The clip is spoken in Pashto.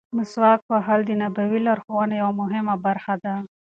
مسواک وهل د نبوي لارښوونو یوه مهمه برخه ده.